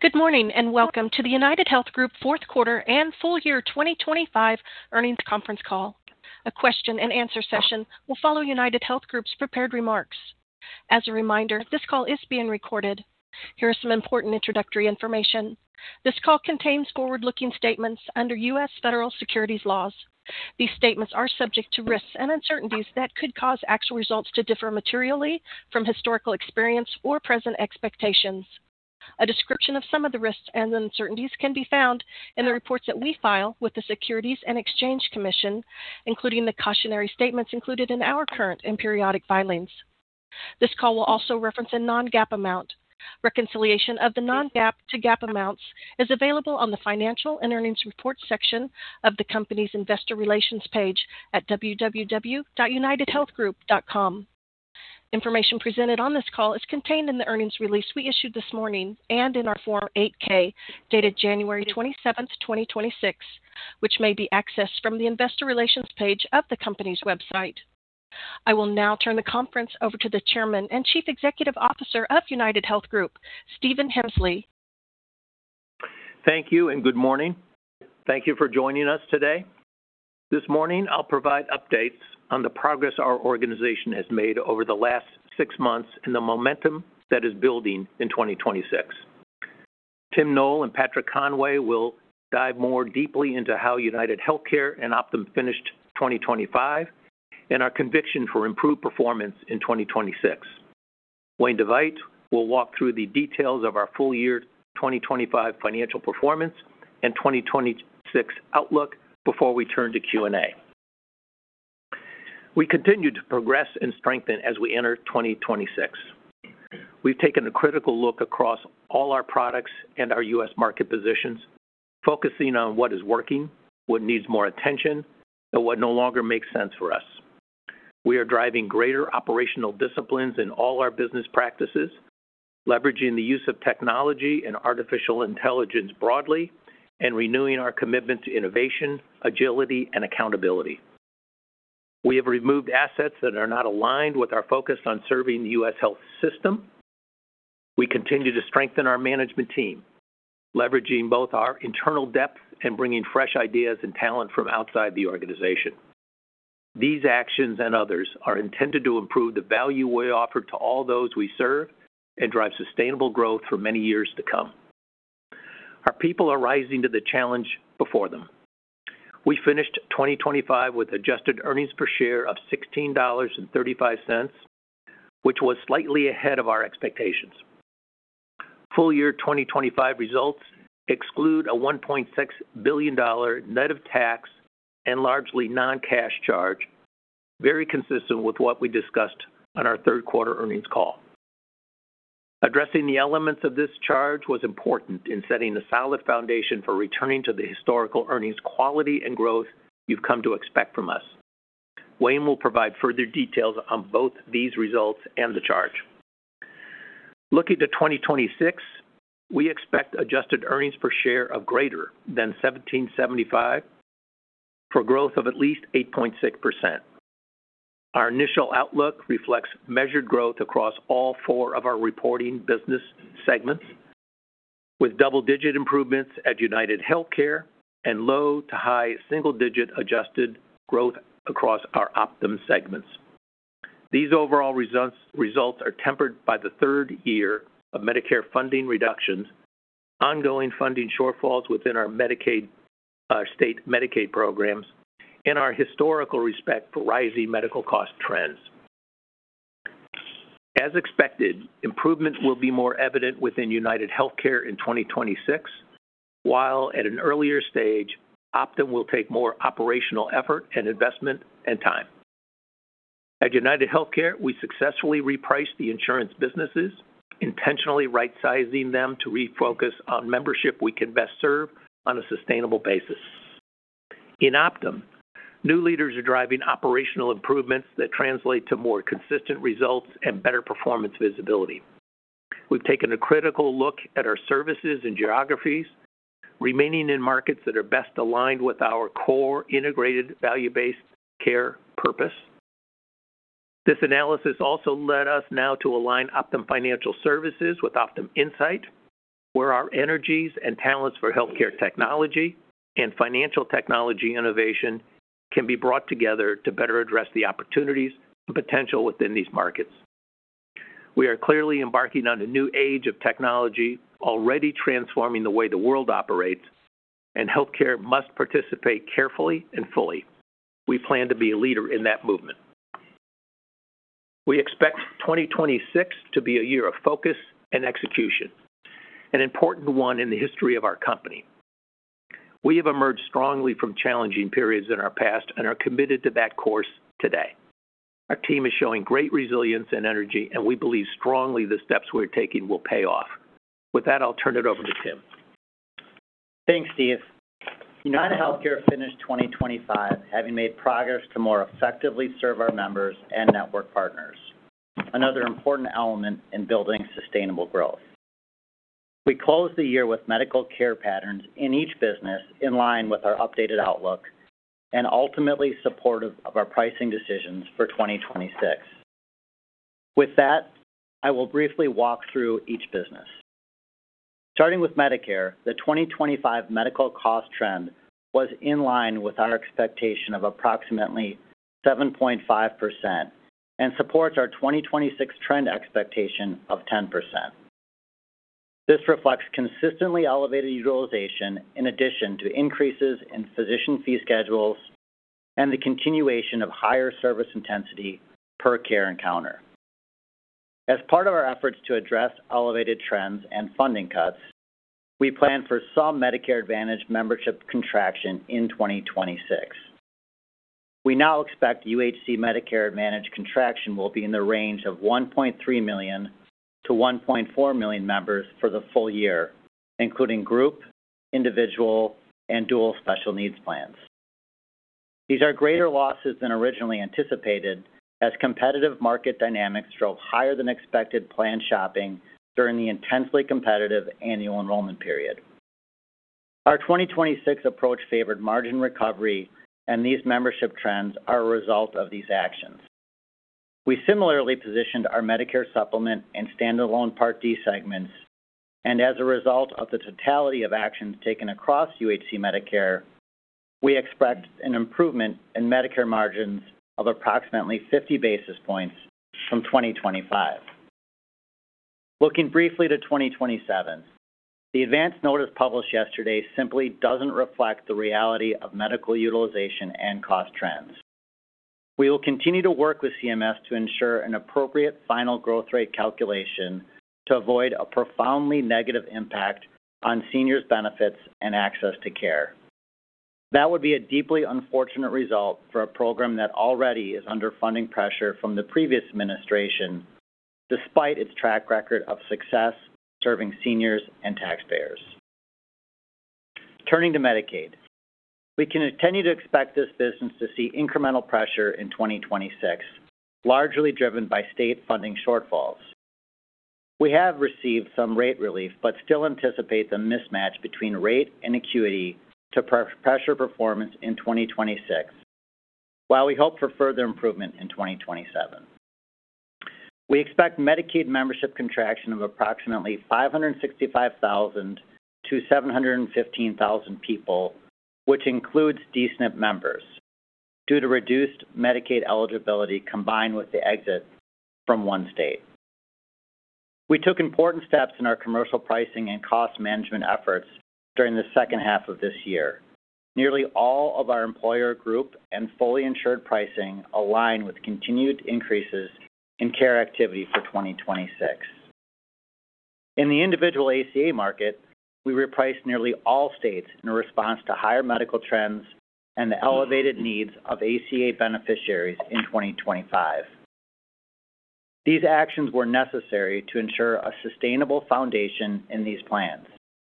Good morning and welcome to the UnitedHealth Group Fourth Quarter and Full Year 2025 Earnings Conference Call. A question-and-answer session will follow UnitedHealth Group's prepared remarks. As a reminder, this call is being recorded. Here is some important introductory information. This call contains forward-looking statements under U.S. federal securities laws. These statements are subject to risks and uncertainties that could cause actual results to differ materially from historical experience or present expectations. A description of some of the risks and uncertainties can be found in the reports that we file with the Securities and Exchange Commission, including the cautionary statements included in our current and periodic filings. This call will also reference a non-GAAP amount. Reconciliation of the non-GAAP to GAAP amounts is available on the Financial and Earnings Reports section of the company's Investor Relations page at www.unitedhealthgroup.com. Information presented on this call is contained in the earnings release we issued this morning and in our Form 8-K dated January 27, 2026, which may be accessed from the Investor Relations page of the company's website. I will now turn the conference over to the Chairman and Chief Executive Officer of UnitedHealth Group, Stephen Hemsley. Thank you and good morning. Thank you for joining us today. This morning, I'll provide updates on the progress our organization has made over the last six months and the momentum that is building in 2026. Tim Noel and Patrick Conway will dive more deeply into how UnitedHealthcare and Optum finished 2025 and our conviction for improved performance in 2026. Wayne DeWitt will walk through the details of our full-year 2025 financial performance and 2026 outlook before we turn to Q&A. We continue to progress and strengthen as we enter 2026. We've taken a critical look across all our products and our U.S. market positions, focusing on what is working, what needs more attention, and what no longer makes sense for us. We are driving greater operational disciplines in all our business practices, leveraging the use of technology and artificial intelligence broadly, and renewing our commitment to innovation, agility, and accountability. We have removed assets that are not aligned with our focus on serving the U.S. health system. We continue to strengthen our management team, leveraging both our internal depth and bringing fresh ideas and talent from outside the organization. These actions and others are intended to improve the value we offer to all those we serve and drive sustainable growth for many years to come. Our people are rising to the challenge before them. We finished 2025 with adjusted earnings per share of $16.35, which was slightly ahead of our expectations. Full year 2025 results exclude a $1.6 billion net of tax and largely non-cash charge, very consistent with what we discussed on our third quarter earnings call. Addressing the elements of this charge was important in setting a solid foundation for returning to the historical earnings quality and growth you've come to expect from us. Wayne will provide further details on both these results and the charge. Looking to 2026, we expect adjusted earnings per share of greater than $17.75 for growth of at least 8.6%. Our initial outlook reflects measured growth across all four of our reporting business segments, with double-digit improvements at UnitedHealthcare and low to high single-digit adjusted growth across our Optum segments. These overall results are tempered by the third year of Medicare funding reductions, ongoing funding shortfalls within our state Medicaid programs, and our historical respect for rising medical cost trends. As expected, improvement will be more evident within UnitedHealthcare in 2026, while at an earlier stage, Optum will take more operational effort and investment and time. At UnitedHealthcare, we successfully repriced the insurance businesses, intentionally right-sizing them to refocus on membership we can best serve on a sustainable basis. In Optum, new leaders are driving operational improvements that translate to more consistent results and better performance visibility. We've taken a critical look at our services and geographies, remaining in markets that are best aligned with our core integrated value-based care purpose. This analysis also led us now to align Optum Financial Services with Optum Insight, where our energies and talents for healthcare technology and financial technology innovation can be brought together to better address the opportunities and potential within these markets. We are clearly embarking on a new age of technology already transforming the way the world operates, and healthcare must participate carefully and fully. We plan to be a leader in that movement. We expect 2026 to be a year of focus and execution, an important one in the history of our company. We have emerged strongly from challenging periods in our past and are committed to that course today. Our team is showing great resilience and energy, and we believe strongly the steps we're taking will pay off. With that, I'll turn it over to Tim. Thanks, Steve. UnitedHealthcare finished 2025, having made progress to more effectively serve our members and network partners, another important element in building sustainable growth. We closed the year with medical care patterns in each business in line with our updated outlook and ultimately supportive of our pricing decisions for 2026. With that, I will briefly walk through each business. Starting with Medicare, the 2025 medical cost trend was in line with our expectation of approximately 7.5% and supports our 2026 trend expectation of 10%. This reflects consistently elevated utilization in addition to increases in physician fee schedules and the continuation of higher service intensity per care encounter. As part of our efforts to address elevated trends and funding cuts, we plan for some Medicare Advantage membership contraction in 2026. We now expect UHC Medicare Advantage contraction will be in the range of 1.3 million-1.4 million members for the full year, including group, individual, and dual special needs plans. These are greater losses than originally anticipated as competitive market dynamics drove higher than expected planned shopping during the intensely competitive annual enrollment period. Our 2026 approach favored margin recovery, and these membership trends are a result of these actions. We similarly positioned our Medicare supplement and standalone Part D segments, and as a result of the totality of actions taken across UHC Medicare, we expect an improvement in Medicare margins of approximately 50 basis points from 2025. Looking briefly to 2027, the Advance Notice published yesterday simply doesn't reflect the reality of medical utilization and cost trends. We will continue to work with CMS to ensure an appropriate final growth rate calculation to avoid a profoundly negative impact on seniors' benefits and access to care. That would be a deeply unfortunate result for a program that already is under funding pressure from the previous administration, despite its track record of success serving seniors and taxpayers. Turning to Medicaid, we continue to expect this business to see incremental pressure in 2026, largely driven by state funding shortfalls. We have received some rate relief, but still anticipate the mismatch between rate and acuity to pressure performance in 2026, while we hope for further improvement in 2027. We expect Medicaid membership contraction of approximately 565,000-715,000 people, which includes D-SNP members, due to reduced Medicaid eligibility combined with the exit from one state. We took important steps in our commercial pricing and cost management efforts during the second half of this year. Nearly all of our employer group and fully insured pricing align with continued increases in care activity for 2026. In the individual ACA market, we repriced nearly all states in response to higher medical trends and the elevated needs of ACA beneficiaries in 2025. These actions were necessary to ensure a sustainable foundation in these plans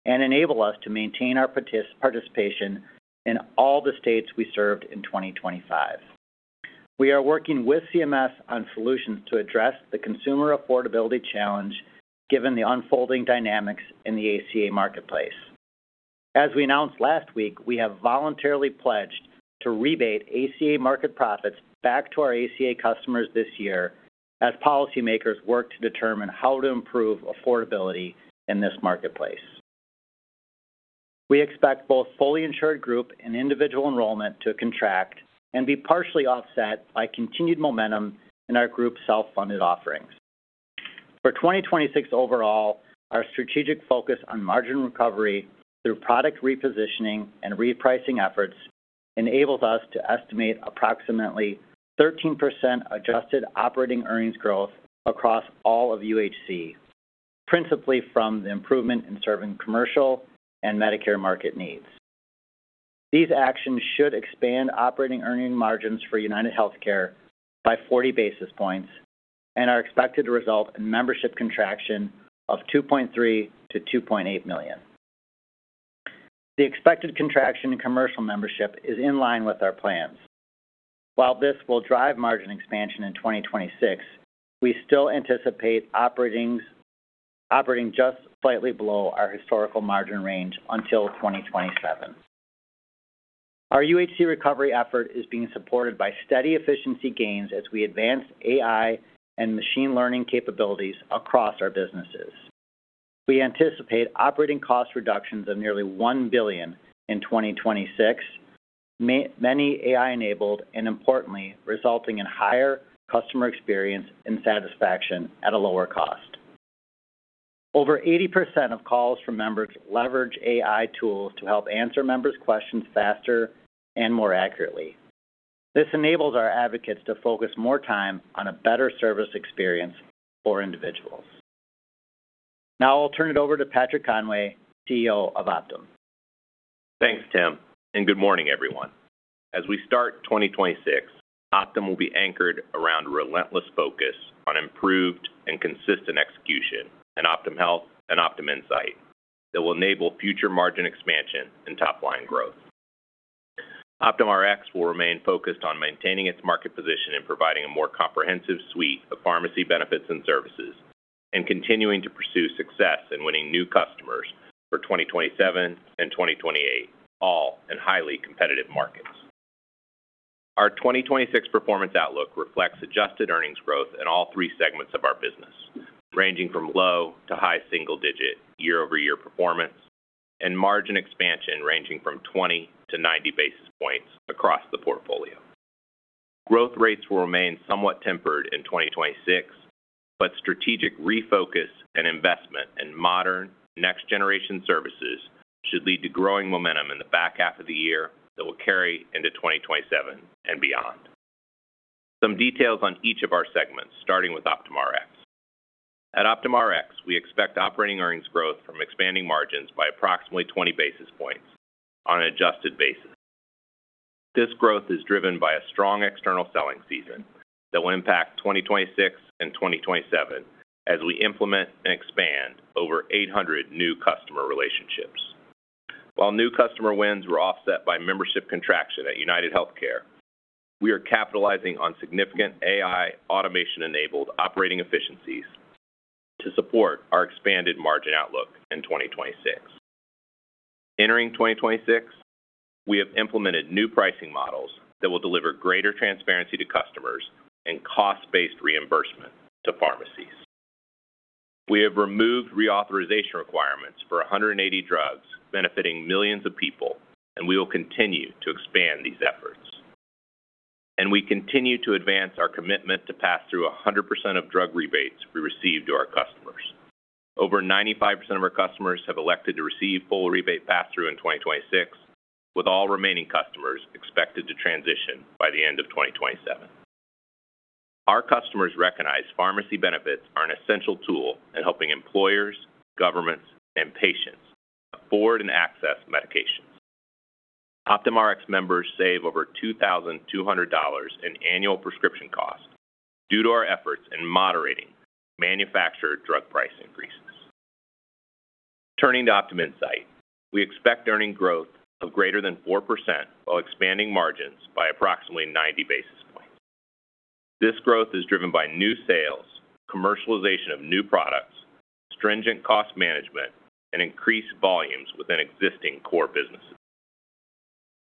and enable us to maintain our participation in all the states we served in 2025. We are working with CMS on solutions to address the consumer affordability challenge given the unfolding dynamics in the ACA marketplace. As we announced last week, we have voluntarily pledged to rebate ACA market profits back to our ACA customers this year as policymakers work to determine how to improve affordability in this marketplace. We expect both fully insured group and individual enrollment to contract and be partially offset by continued momentum in our group self-funded offerings. For 2026 overall, our strategic focus on margin recovery through product repositioning and repricing efforts enables us to estimate approximately 13% adjusted operating earnings growth across all of UHC, principally from the improvement in serving commercial and Medicare market needs. These actions should expand operating earnings margins for UnitedHealthcare by 40 basis points and are expected to result in membership contraction of 2.3-2.8 million. The expected contraction in commercial membership is in line with our plans. While this will drive margin expansion in 2026, we still anticipate operating just slightly below our historical margin range until 2027. Our UHC recovery effort is being supported by steady efficiency gains as we advance AI and machine learning capabilities across our businesses. We anticipate operating cost reductions of nearly $1 billion in 2026, many AI-enabled and importantly resulting in higher customer experience and satisfaction at a lower cost. Over 80% of calls from members leverage AI tools to help answer members' questions faster and more accurately. This enables our advocates to focus more time on a better service experience for individuals. Now I'll turn it over to Patrick Conway, CEO of Optum. Thanks, Tim, and good morning, everyone. As we start 2026, Optum will be anchored around relentless focus on improved and consistent execution and Optum Health and Optum Insight that will enable future margin expansion and top-line growth. Optum Rx will remain focused on maintaining its market position in providing a more comprehensive suite of pharmacy benefits and services and continuing to pursue success in winning new customers for 2027 and 2028, all in highly competitive markets. Our 2026 performance outlook reflects adjusted earnings growth in all three segments of our business, ranging from low to high single-digit year-over-year performance and margin expansion ranging from 20-90 basis points across the portfolio. Growth rates will remain somewhat tempered in 2026, but strategic refocus and investment in modern next-generation services should lead to growing momentum in the back half of the year that will carry into 2027 and beyond. Some details on each of our segments, starting with Optum Rx. At Optum Rx, we expect operating earnings growth from expanding margins by approximately 20 basis points on an adjusted basis. This growth is driven by a strong external selling season that will impact 2026 and 2027 as we implement and expand over 800 new customer relationships. While new customer wins were offset by membership contraction at UnitedHealthcare, we are capitalizing on significant AI automation-enabled operating efficiencies to support our expanded margin outlook in 2026. Entering 2026, we have implemented new pricing models that will deliver greater transparency to customers and cost-based reimbursement to pharmacies. We have removed reauthorization requirements for 180 drugs benefiting millions of people, and we will continue to expand these efforts. We continue to advance our commitment to pass through 100% of drug rebates we receive to our customers. Over 95% of our customers have elected to receive full rebate pass-through in 2026, with all remaining customers expected to transition by the end of 2027. Our customers recognize pharmacy benefits are an essential tool in helping employers, governments, and patients afford and access medications. Optum Rx members save over $2,200 in annual prescription costs due to our efforts in moderating manufactured drug price increases. Turning to Optum Insight, we expect earnings growth of greater than 4% while expanding margins by approximately 90 basis points. This growth is driven by new sales, commercialization of new products, stringent cost management, and increased volumes within existing core businesses.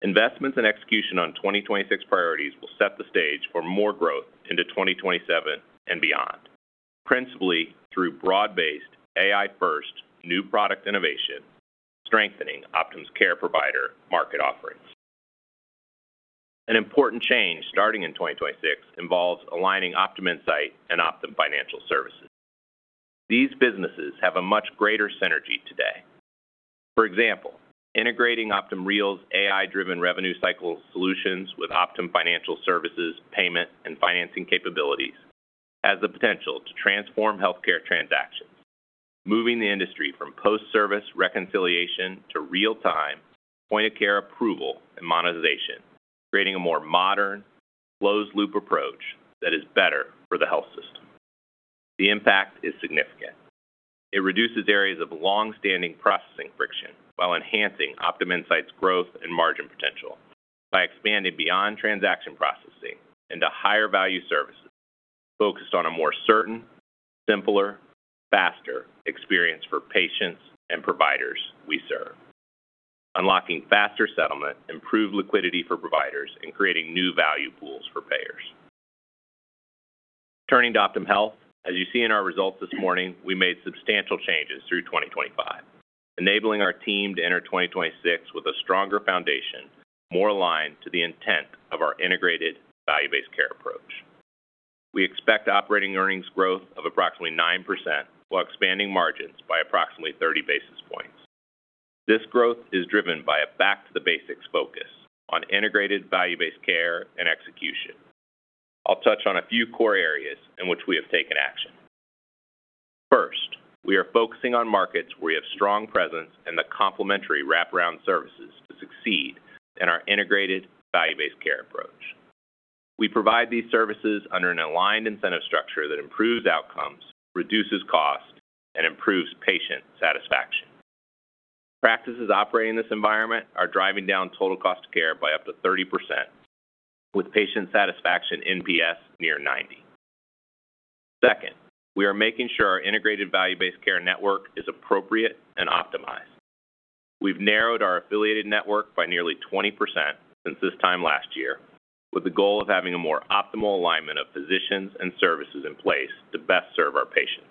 Investments and execution on 2026 priorities will set the stage for more growth into 2027 and beyond, principally through broad-based AI-first new product innovation strengthening Optum's care provider market offerings. An important change starting in 2026 involves aligning Optum Insight and Optum Financial Services. These businesses have a much greater synergy today. For example, integrating Optum Reel's AI-driven revenue cycle solutions with Optum Financial's payment and financing capabilities has the potential to transform healthcare transactions, moving the industry from post-service reconciliation to real-time point-of-care approval and monetization, creating a more modern closed-loop approach that is better for the health system. The impact is significant. It reduces areas of long-standing processing friction while enhancing Optum Insight's growth and margin potential by expanding beyond transaction processing into higher-value services focused on a more certain, simpler, faster experience for patients and providers we serve, unlocking faster settlement, improved liquidity for providers, and creating new value pools for payers. Turning to Optum Health, as you see in our results this morning, we made substantial changes through 2025, enabling our team to enter 2026 with a stronger foundation, more aligned to the intent of our integrated value-based care approach. We expect operating earnings growth of approximately 9% while expanding margins by approximately 30 basis points. This growth is driven by a back-to-the-basics focus on integrated value-based care and execution. I'll touch on a few core areas in which we have taken action. First, we are focusing on markets where we have strong presence and the complementary wraparound services to succeed in our integrated value-based care approach. We provide these services under an aligned incentive structure that improves outcomes, reduces cost, and improves patient satisfaction. Practices operating in this environment are driving down total cost of care by up to 30%, with patient satisfaction NPS near 90. Second, we are making sure our integrated value-based care network is appropriate and optimized. We've narrowed our affiliated network by nearly 20% since this time last year, with the goal of having a more optimal alignment of physicians and services in place to best serve our patients.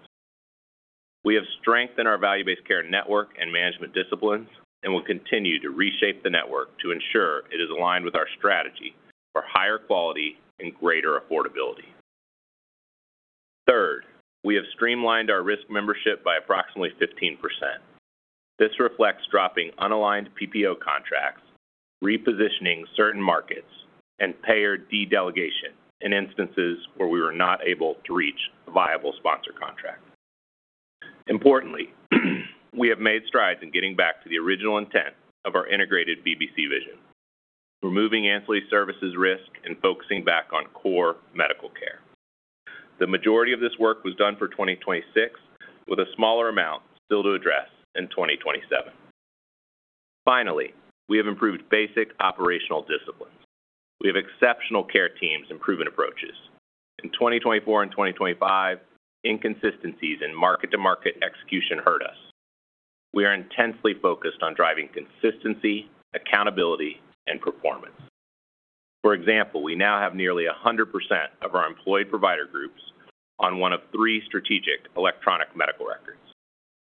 We have strengthened our value-based care network and management disciplines and will continue to reshape the network to ensure it is aligned with our strategy for higher quality and greater affordability. Third, we have streamlined our risk membership by approximately 15%. This reflects dropping unaligned PPO contracts, repositioning certain markets, and payer de-delegation in instances where we were not able to reach a viable sponsor contract. Importantly, we have made strides in getting back to the original intent of our integrated BBC vision, removing ancillary services risk and focusing back on core medical care. The majority of this work was done for 2026, with a smaller amount still to address in 2027. Finally, we have improved basic operational disciplines. We have exceptional care teams and proven approaches. In 2024 and 2025, inconsistencies in market-to-market execution hurt us. We are intensely focused on driving consistency, accountability, and performance. For example, we now have nearly 100% of our employed provider groups on one of three strategic electronic medical records.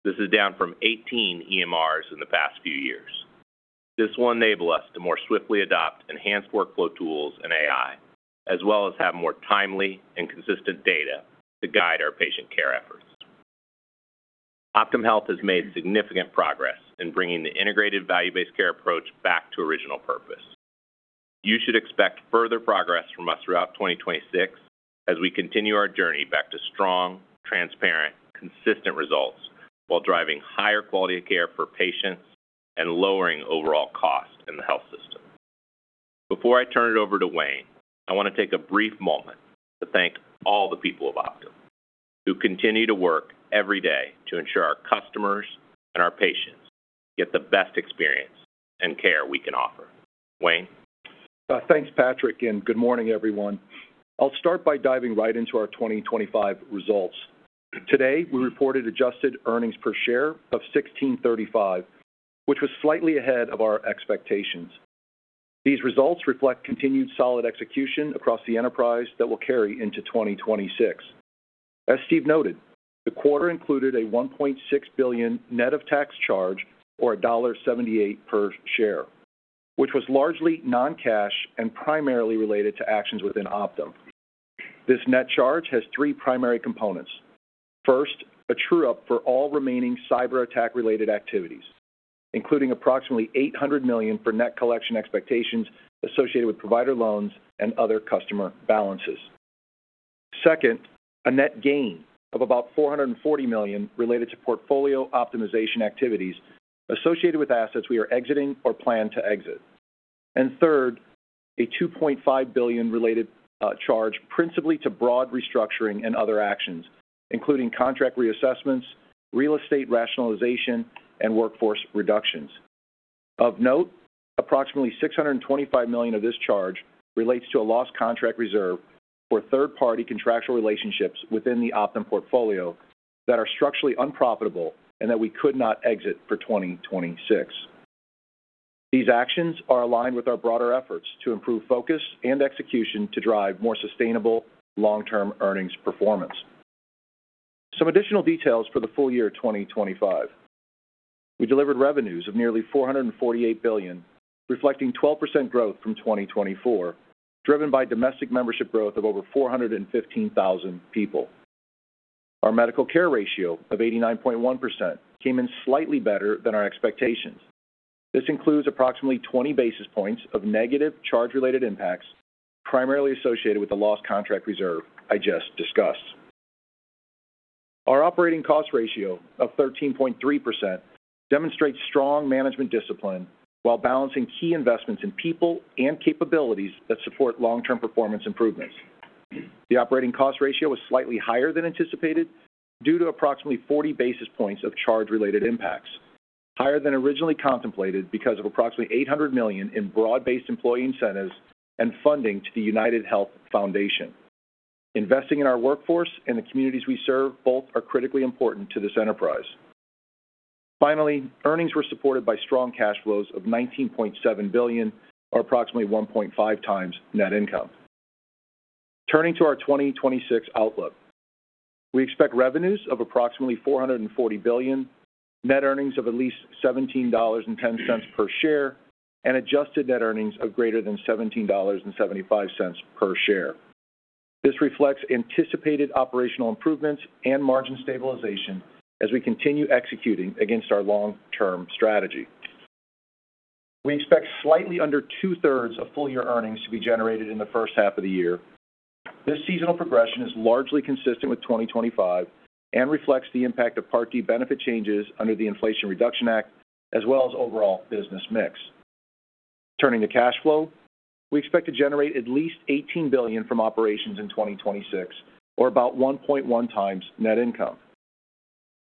This is down from 18 EMRs in the past few years. This will enable us to more swiftly adopt enhanced workflow tools and AI, as well as have more timely and consistent data to guide our patient care efforts. Optum Health has made significant progress in bringing the integrated value-based care approach back to original purpose. You should expect further progress from us throughout 2026 as we continue our journey back to strong, transparent, consistent results while driving higher quality of care for patients and lowering overall cost in the health system. Before I turn it over to Wayne, I want to take a brief moment to thank all the people of Optum who continue to work every day to ensure our customers and our patients get the best experience and care we can offer. Wayne? Thanks, Patrick, and good morning, everyone. I'll start by diving right into our 2025 results. Today, we reported adjusted earnings per share of $1,635, which was slightly ahead of our expectations. These results reflect continued solid execution across the enterprise that will carry into 2026. As Steve noted, the quarter included a $1.6 billion net of tax charge or $1.78 per share, which was largely non-cash and primarily related to actions within Optum. This net charge has three primary components. First, a true-up for all remaining cyber-attack-related activities, including approximately $800 million for net collection expectations associated with provider loans and other customer balances. Second, a net gain of about $440 million related to portfolio optimization activities associated with assets we are exiting or plan to exit. And third, a $2.5 billion related charge principally to broad restructuring and other actions, including contract reassessments, real estate rationalization, and workforce reductions. Of note, approximately $625 million of this charge relates to a lost contract reserve for third-party contractual relationships within the Optum portfolio that are structurally unprofitable and that we could not exit for 2026. These actions are aligned with our broader efforts to improve focus and execution to drive more sustainable long-term earnings performance. Some additional details for the full year of 2025. We delivered revenues of nearly $448 billion, reflecting 12% growth from 2024, driven by domestic membership growth of over 415,000 people. Our medical care ratio of 89.1% came in slightly better than our expectations. This includes approximately 20 basis points of negative charge-related impacts primarily associated with the lost contract reserve I just discussed. Our operating cost ratio of 13.3% demonstrates strong management discipline while balancing key investments in people and capabilities that support long-term performance improvements. The Operating Cost Ratio was slightly higher than anticipated due to approximately 40 basis points of charge-related impacts, higher than originally contemplated because of approximately $800 million in broad-based employee incentives and funding to the UnitedHealth Foundation. Investing in our workforce and the communities we serve both are critically important to this enterprise. Finally, earnings were supported by strong cash flows of $19.7 billion, or approximately 1.5 times net income. Turning to our 2026 outlook, we expect revenues of approximately $440 billion, net earnings of at least $17.10 per share, and adjusted net earnings of greater than $17.75 per share. This reflects anticipated operational improvements and margin stabilization as we continue executing against our long-term strategy. We expect slightly under two-thirds of full-year earnings to be generated in the first half of the year. This seasonal progression is largely consistent with 2025 and reflects the impact of Part D benefit changes under the Inflation Reduction Act as well as overall business mix. Turning to cash flow, we expect to generate at least $18 billion from operations in 2026, or about 1.1 times net income.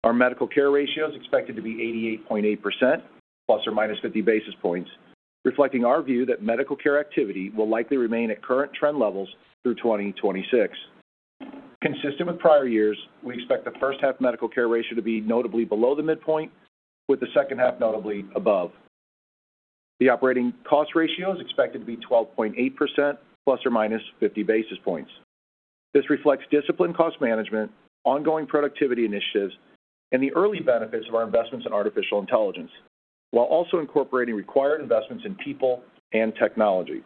Our medical care ratio is expected to be 88.8% ±50 basis points, reflecting our view that medical care activity will likely remain at current trend levels through 2026. Consistent with prior years, we expect the first half medical care ratio to be notably below the midpoint, with the second half notably above. The operating cost ratio is expected to be 12.8% ±50 basis points. This reflects disciplined cost management, ongoing productivity initiatives, and the early benefits of our investments in artificial intelligence, while also incorporating required investments in people and technology.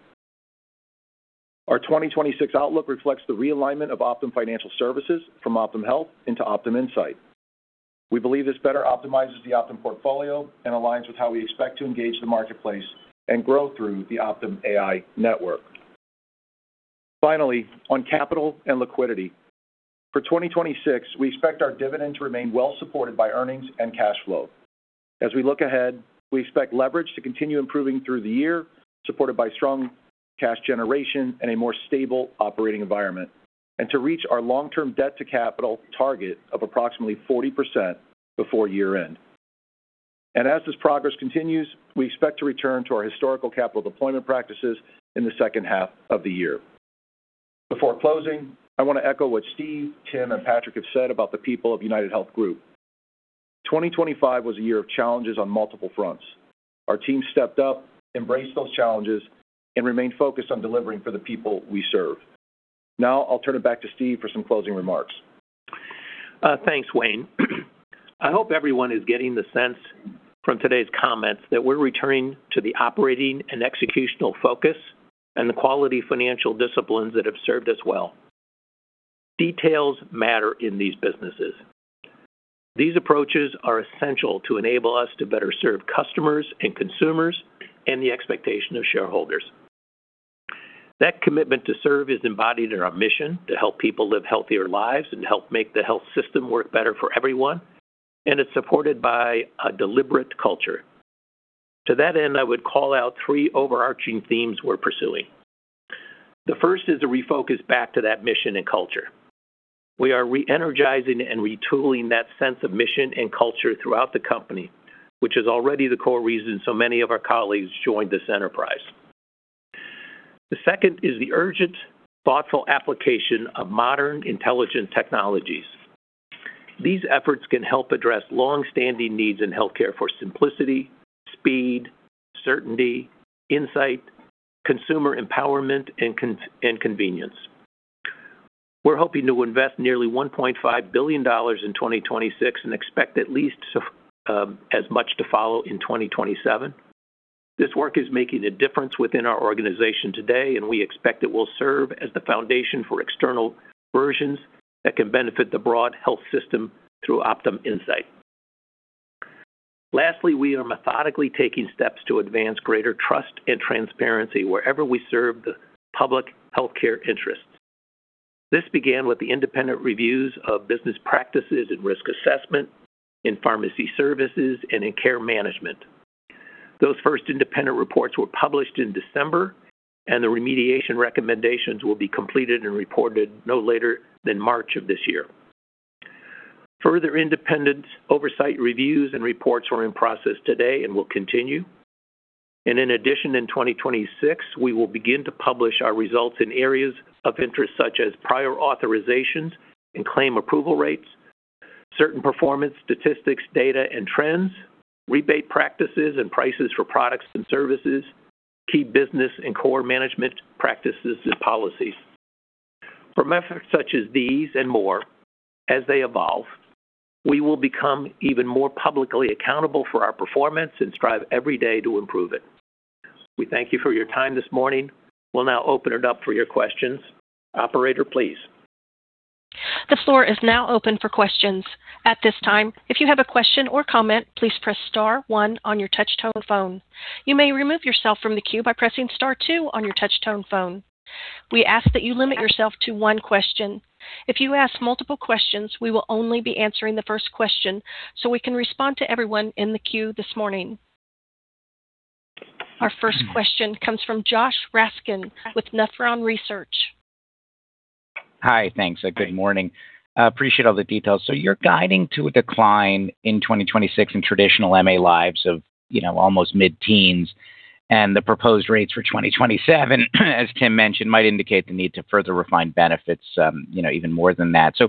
Our 2026 outlook reflects the realignment of Optum Financial from Optum Health into Optum Insight. We believe this better optimizes the Optum portfolio and aligns with how we expect to engage the marketplace and grow through the Optum AI network. Finally, on capital and liquidity, for 2026, we expect our dividend to remain well-supported by earnings and cash flow. As we look ahead, we expect leverage to continue improving through the year, supported by strong cash generation and a more stable operating environment, and to reach our long-term debt-to-capital target of approximately 40% before year-end. As this progress continues, we expect to return to our historical capital deployment practices in the second half of the year. Before closing, I want to echo what Steve, Tim, and Patrick have said about the people of UnitedHealth Group. 2025 was a year of challenges on multiple fronts. Our team stepped up, embraced those challenges, and remained focused on delivering for the people we serve. Now, I'll turn it back to Steve for some closing remarks. Thanks, Wayne. I hope everyone is getting the sense from today's comments that we're returning to the operating and executional focus and the quality financial disciplines that have served us well. Details matter in these businesses. These approaches are essential to enable us to better serve customers and consumers and the expectation of shareholders. That commitment to serve is embodied in our mission to help people live healthier lives and help make the health system work better for everyone, and it's supported by a deliberate culture. To that end, I would call out three overarching themes we're pursuing. The first is a refocus back to that mission and culture. We are re-energizing and retooling that sense of mission and culture throughout the company, which is already the core reason so many of our colleagues joined this enterprise. The second is the urgent, thoughtful application of modern intelligent technologies. These efforts can help address long-standing needs in healthcare for simplicity, speed, certainty, insight, consumer empowerment, and convenience. We're hoping to invest nearly $1.5 billion in 2026 and expect at least as much to follow in 2027. This work is making a difference within our organization today, and we expect it will serve as the foundation for external versions that can benefit the broad health system through Optum Insight. Lastly, we are methodically taking steps to advance greater trust and transparency wherever we serve the public healthcare interests. This began with the independent reviews of business practices and risk assessment in pharmacy services and in care management. Those first independent reports were published in December, and the remediation recommendations will be completed and reported no later than March of this year. Further independent oversight reviews and reports are in process today and will continue. In addition, in 2026, we will begin to publish our results in areas of interest such as prior authorizations and claim approval rates, certain performance statistics, data and trends, rebate practices and prices for products and services, key business and core management practices and policies. For methods such as these and more, as they evolve, we will become even more publicly accountable for our performance and strive every day to improve it. We thank you for your time this morning. We'll now open it up for your questions. Operator, please. The floor is now open for questions. At this time, if you have a question or comment, please press Star 1 on your touchtone phone. You may remove yourself from the queue by pressing Star 2 on your touchtone phone. We ask that you limit yourself to one question. If you ask multiple questions, we will only be answering the first question so we can respond to everyone in the queue this morning. Our first question comes from Josh Raskin with Nephron Research. Hi, thanks. Good morning. Appreciate all the details. So you're guiding to a decline in 2026 in traditional MA lives of almost mid-teens, and the proposed rates for 2027, as Tim mentioned, might indicate the need to further refine benefits even more than that. So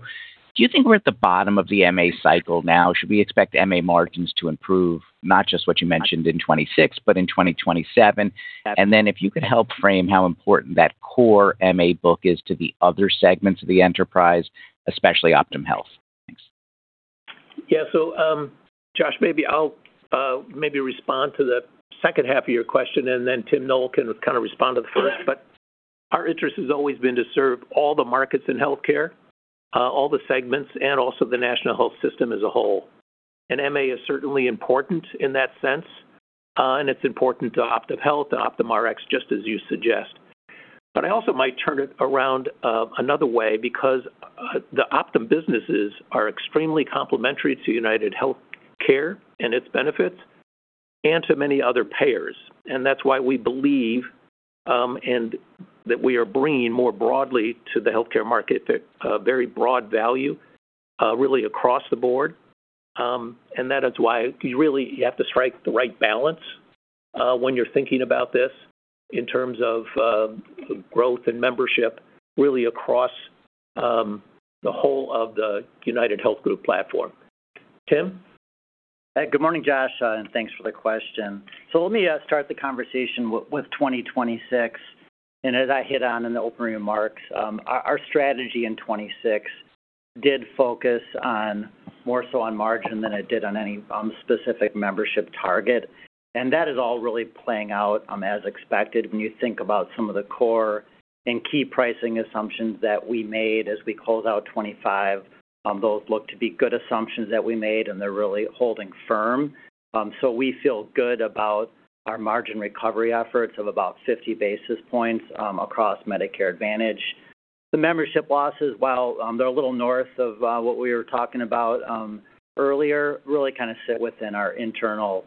do you think we're at the bottom of the MA cycle now? Should we expect MA margins to improve, not just what you mentioned in 2026, but in 2027? And then if you could help frame how important that core MA book is to the other segments of the enterprise, especially Optum Health. Thanks. Yeah. So Josh, maybe I'll maybe respond to the second half of your question, and then Tim Noel can kind of respond to the first. But our interest has always been to serve all the markets in healthcare, all the segments, and also the national health system as a whole. And MA is certainly important in that sense, and it's important to Optum Health and Optum Rx, just as you suggest. But I also might turn it around another way because the Optum businesses are extremely complementary to UnitedHealthcare and its benefits and to many other payers. And that's why we believe that we are bringing more broadly to the healthcare market a very broad value, really across the board. That is why you really have to strike the right balance when you're thinking about this in terms of growth and membership, really across the whole of the UnitedHealth Group platform. Tim? Good morning, Josh, and thanks for the question. So let me start the conversation with 2026. As I hit on in the opening remarks, our strategy in 2026 did focus more so on margin than it did on any specific membership target. That is all really playing out as expected when you think about some of the core and key pricing assumptions that we made as we close out 2025. Those look to be good assumptions that we made, and they're really holding firm. We feel good about our margin recovery efforts of about 50 basis points across Medicare Advantage. The membership losses, while they're a little north of what we were talking about earlier, really kind of sit within our internal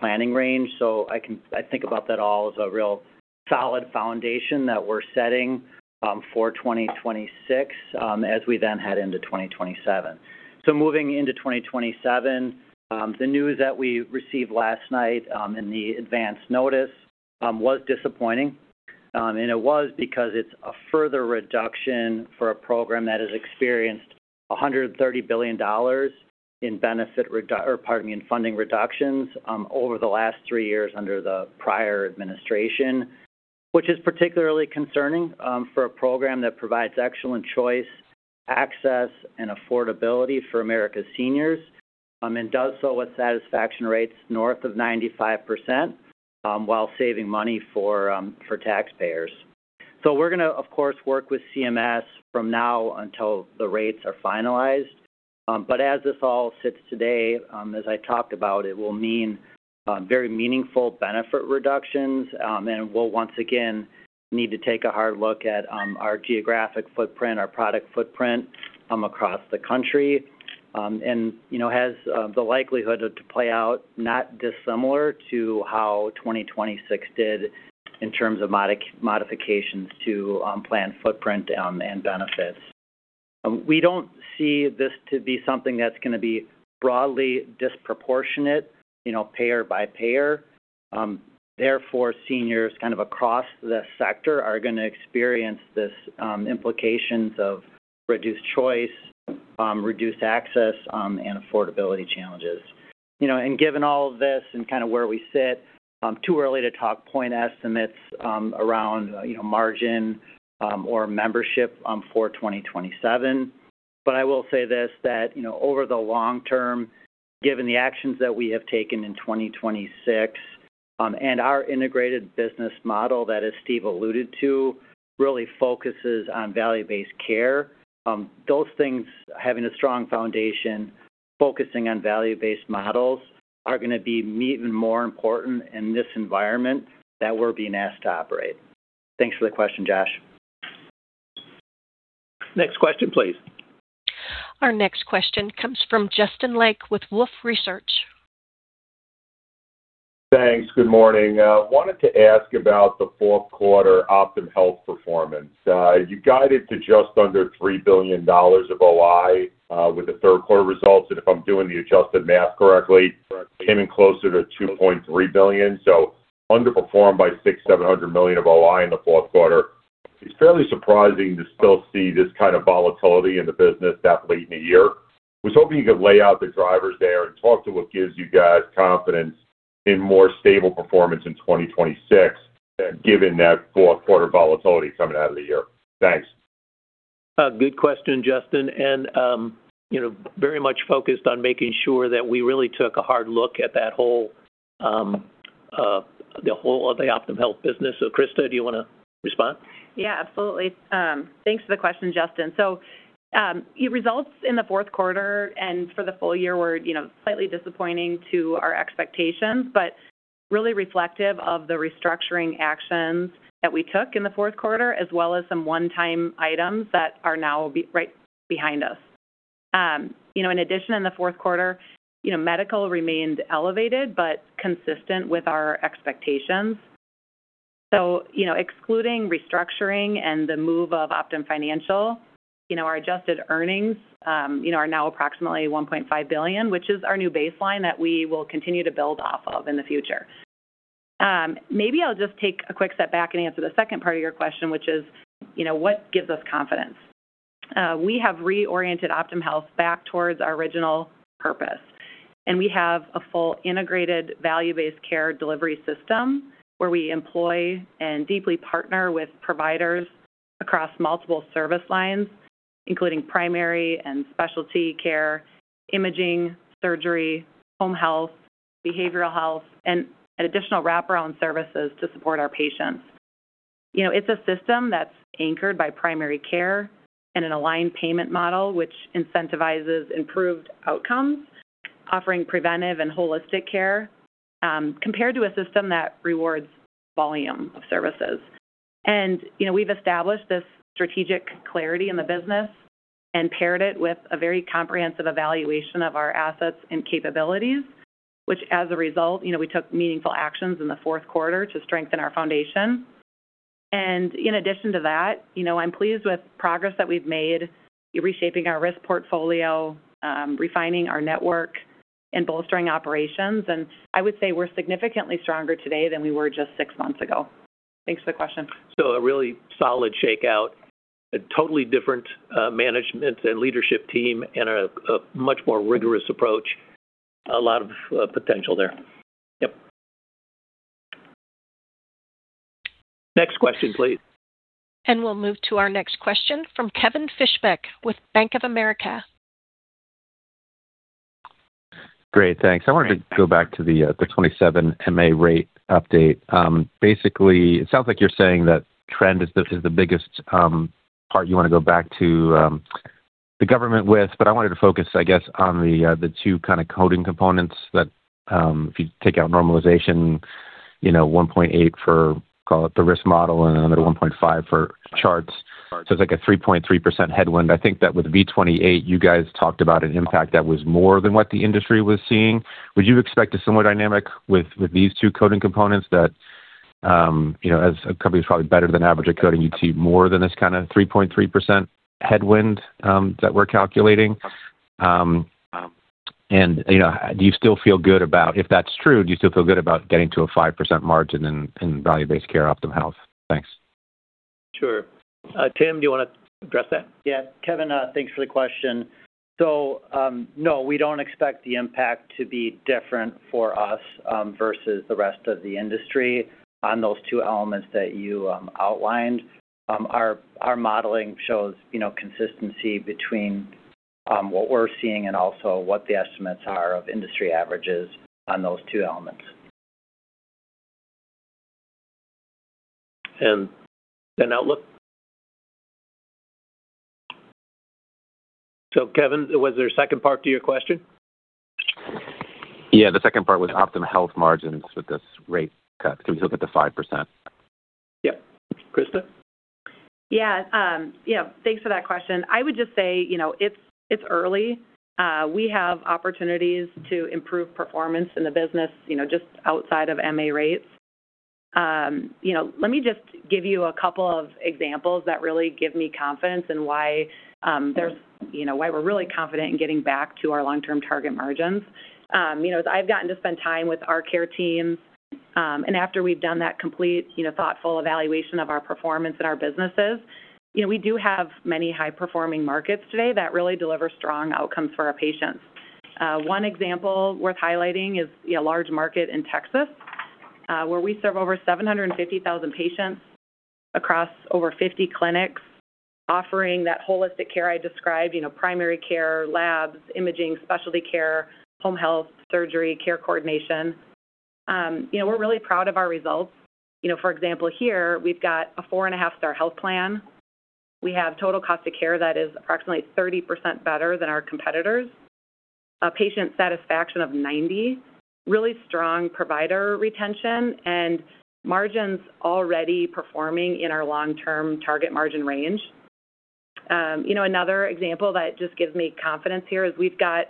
planning range. I think about that all as a real solid foundation that we're setting for 2026 as we then head into 2027. So moving into 2027, the news that we received last night in the Advance Notice was disappointing. And it was because it's a further reduction for a program that has experienced $130 billion in benefit or, pardon me, in funding reductions over the last three years under the prior administration, which is particularly concerning for a program that provides excellent choice, access, and affordability for America's seniors and does so with satisfaction rates north of 95% while saving money for taxpayers. So we're going to, of course, work with CMS from now until the rates are finalized. But as this all sits today, as I talked about, it will mean very meaningful benefit reductions, and we'll once again need to take a hard look at our geographic footprint, our product footprint across the country, and has the likelihood to play out not dissimilar to how 2026 did in terms of modifications to plan footprint and benefits. We don't see this to be something that's going to be broadly disproportionate payer by payer. Therefore, seniors kind of across the sector are going to experience these implications of reduced choice, reduced access, and affordability challenges. And given all of this and kind of where we sit, too early to talk point estimates around margin or membership for 2027. But I will say this: over the long term, given the actions that we have taken in 2026 and our integrated business model that Steve alluded to really focuses on value-based care, those things, having a strong foundation, focusing on value-based models are going to be even more important in this environment that we're being asked to operate. Thanks for the question, Josh. Next question, please. Our next question comes from Justin Lake with Wolfe Research. Thanks. Good morning. I wanted to ask about the fourth quarter Optum Health performance. You guided to just under $3 billion of OI with the third quarter results. If I'm doing the adjusted math correctly, came in closer to $2.3 billion. So underperformed by $6.7 billion of OI in the fourth quarter. It's fairly surprising to still see this kind of volatility in the business that late in the year. I was hoping you could lay out the drivers there and talk to what gives you guys confidence in more stable performance in 2026, given that fourth quarter volatility coming out of the year. Thanks. Good question, Justin. Very much focused on making sure that we really took a hard look at the whole of the Optum Health business. Krista, do you want to respond? Yeah, absolutely. Thanks for the question, Justin. So results in the fourth quarter and for the full year were slightly disappointing to our expectations, but really reflective of the restructuring actions that we took in the fourth quarter, as well as some one-time items that are now right behind us. In addition, in the fourth quarter, medical remained elevated but consistent with our expectations. So excluding restructuring and the move of Optum Financial, our adjusted earnings are now approximately $1.5 billion, which is our new baseline that we will continue to build off of in the future. Maybe I'll just take a quick step back and answer the second part of your question, which is what gives us confidence. We have reoriented Optum Health back towards our original purpose, and we have a full integrated value-based care delivery system where we employ and deeply partner with providers across multiple service lines, including primary and specialty care, imaging, surgery, home health, behavioral health, and additional wraparound services to support our patients. It's a system that's anchored by primary care and an aligned payment model, which incentivizes improved outcomes, offering preventive and holistic care compared to a system that rewards volume of services. We've established this strategic clarity in the business and paired it with a very comprehensive evaluation of our assets and capabilities, which, as a result, we took meaningful actions in the fourth quarter to strengthen our foundation. In addition to that, I'm pleased with progress that we've made reshaping our risk portfolio, refining our network, and bolstering operations. I would say we're significantly stronger today than we were just six months ago. Thanks for the question. A really solid shakeout, a totally different management and leadership team, and a much more rigorous approach. A lot of potential there. Yep. Next question, please. We'll move to our next question from Kevin Fishbeck with Bank of America. Great. Thanks. I wanted to go back to the 2027 MA rate update. Basically, it sounds like you're saying that trend is the biggest part you want to go back to the government with, but I wanted to focus, I guess, on the two kind of coding components that if you take out normalization, 1.8 for, call it the risk model, and another 1.5 for charts. So it's like a 3.3% headwind. I think that with V28, you guys talked about an impact that was more than what the industry was seeing. Would you expect a similar dynamic with these two coding components that, as a company that's probably better than average at coding, you'd see more than this kind of 3.3% headwind that we're calculating? Do you still feel good about if that's true, do you still feel good about getting to a 5% margin in Value-Based Care Optum Health? Thanks. Sure. Tim, do you want to address that? Yeah. Kevin, thanks for the question. So no, we don't expect the impact to be different for us versus the rest of the industry on those two elements that you outlined. Our modeling shows consistency between what we're seeing and also what the estimates are of industry averages on those two elements. Outlook? Kevin, was there a second part to your question? Yeah. The second part was Optum Health margins with this rate cut. Can we still get the 5%? Yep. Krista? Yeah. Yeah. Thanks for that question. I would just say it's early. We have opportunities to improve performance in the business just outside of MA rates. Let me just give you a couple of examples that really give me confidence in why we're really confident in getting back to our long-term target margins. As I've gotten to spend time with our care teams, and after we've done that complete thoughtful evaluation of our performance in our businesses, we do have many high-performing markets today that really deliver strong outcomes for our patients. One example worth highlighting is a large market in Texas where we serve over 750,000 patients across over 50 clinics, offering that holistic care I described: primary care, labs, imaging, specialty care, home health, surgery, care coordination. We're really proud of our results. For example, here, we've got a 4.5-star health plan. We have total cost of care that is approximately 30% better than our competitors, a patient satisfaction of 90, really strong provider retention, and margins already performing in our long-term target margin range. Another example that just gives me confidence here is we've got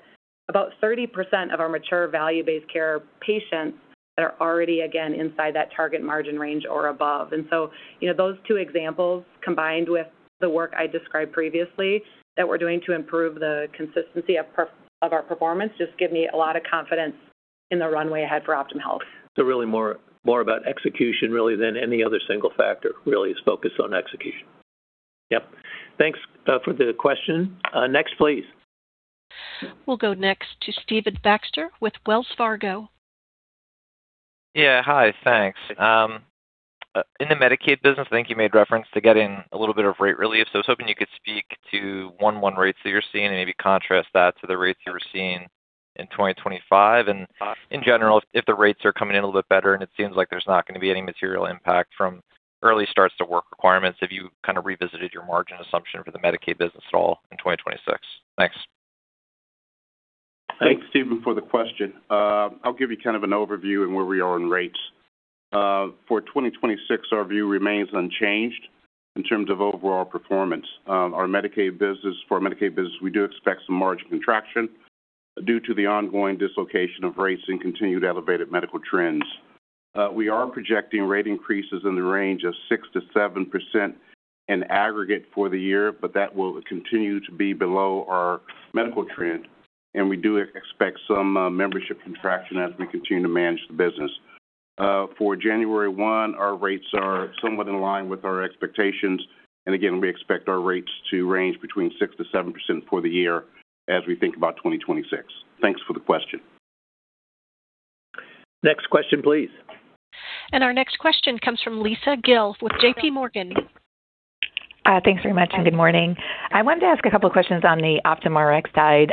about 30% of our mature value-based care patients that are already, again, inside that target margin range or above. And so those two examples, combined with the work I described previously that we're doing to improve the consistency of our performance, just give me a lot of confidence in the runway ahead for Optum Health. So really more about execution, really, than any other single factor, really, is focused on execution. Yep. Thanks for the question. Next, please. We'll go next to Stephen Baxter with Wells Fargo. Yeah. Hi. Thanks. In the Medicaid business, I think you made reference to getting a little bit of rate relief. So I was hoping you could speak to 1-to-1 rates that you're seeing and maybe contrast that to the rates you were seeing in 2025. And in general, if the rates are coming in a little bit better and it seems like there's not going to be any material impact from early starts to work requirements, have you kind of revisited your margin assumption for the Medicaid business at all in 2026? Thanks. Thanks, Steven, for the question. I'll give you kind of an overview and where we are in rates. For 2026, our view remains unchanged in terms of overall performance. For our Medicaid business, we do expect some margin contraction due to the ongoing dislocation of rates and continued elevated medical trends. We are projecting rate increases in the range of 6%-7% in aggregate for the year, but that will continue to be below our medical trend. And we do expect some membership contraction as we continue to manage the business. For January 1, our rates are somewhat in line with our expectations. And again, we expect our rates to range between 6%-7% for the year as we think about 2026. Thanks for the question. Next question, please. Our next question comes from Lisa Gill with JPMorgan. Thanks very much. And good morning. I wanted to ask a couple of questions on the Optum Rx side.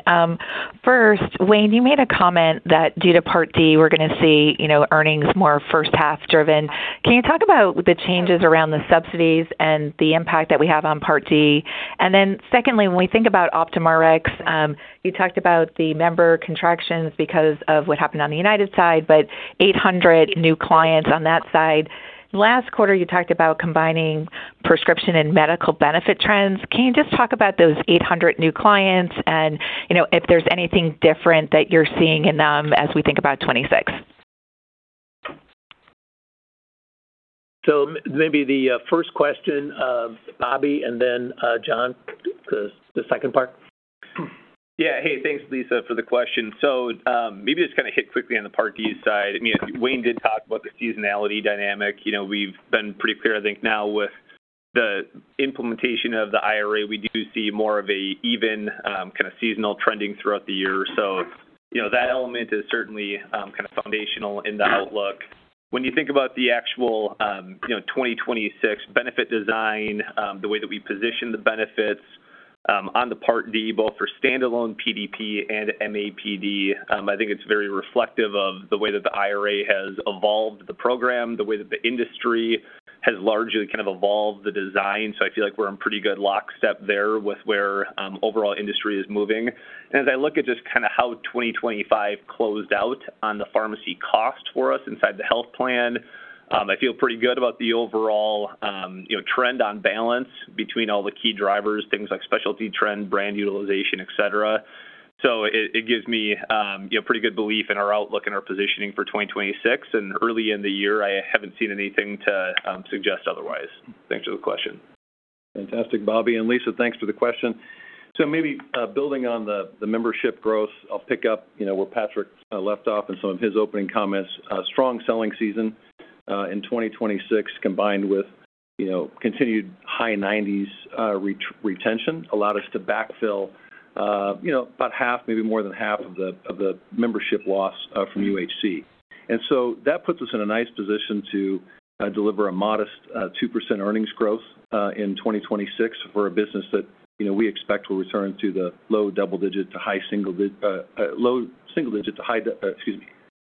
First, Wayne, you made a comment that due to Part D, we're going to see earnings more first-half-driven. Can you talk about the changes around the subsidies and the impact that we have on Part D? And then secondly, when we think about Optum Rx, you talked about the member contractions because of what happened on the United side, but 800 new clients on that side. Last quarter, you talked about combining prescription and medical benefit trends. Can you just talk about those 800 new clients and if there's anything different that you're seeing in them as we think about 2026? Maybe the first question, Bobby, and then John, the second part. Yeah. Hey, thanks, Lisa, for the question. So maybe just kind of hit quickly on the Part D side. I mean, Wayne did talk about the seasonality dynamic. We've been pretty clear, I think, now with the implementation of the IRA, we do see more of an even kind of seasonal trending throughout the year. So that element is certainly kind of foundational in the outlook. When you think about the actual 2026 benefit design, the way that we position the benefits on the Part D, both for standalone PDP and MAPD, I think it's very reflective of the way that the IRA has evolved the program, the way that the industry has largely kind of evolved the design. So I feel like we're in pretty good lockstep there with where overall industry is moving. And as I look at just kind of how 2025 closed out on the pharmacy cost for us inside the health plan, I feel pretty good about the overall trend on balance between all the key drivers, things like specialty trend, brand utilization, etc. So it gives me pretty good belief in our outlook and our positioning for 2026. And early in the year, I haven't seen anything to suggest otherwise. Thanks for the question. Fantastic, Bobby. And Lisa, thanks for the question. So maybe building on the membership growth, I'll pick up where Patrick left off and some of his opening comments. Strong selling season in 2026, combined with continued high-90s retention, allowed us to backfill about half, maybe more than half, of the membership loss from UHC. And so that puts us in a nice position to deliver a modest 2% earnings growth in 2026 for a business that we expect will return to the low double-digit to high single-digit to high—excuse